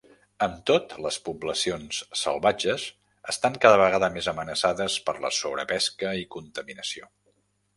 Amb tot, les poblacions salvatges estan cada vegada més amenaçades per la sobrepesca i contaminació.